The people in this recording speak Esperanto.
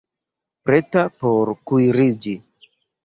Preta por kuiriĝi